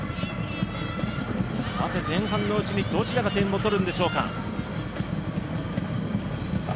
前半のうちにどちらが点を取るんでしょうか。